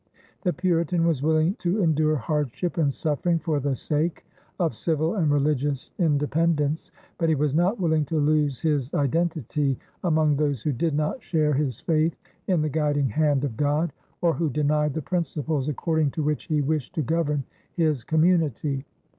The Puritan was willing to endure hardship and suffering for the sake of civil and religious independence, but he was not willing to lose his identity among those who did not share his faith in the guiding hand of God or who denied the principles according to which he wished to govern his community.